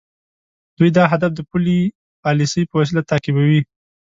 دوی دا هدف د پولي پالیسۍ په وسیله تعقیبوي.